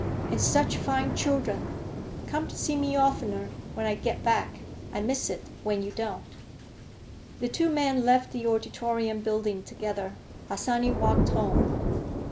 And such fine children! Come to see me oftener, when I get back. I miss it when you don't." The two men left the Auditorium Building together. Harsanyi walked home.